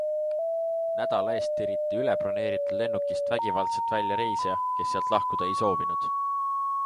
Nädala eest tiriti ülebroneeritud lennukist vägivaldselt välja reisija, kes sealt lahkuda ei soovinud.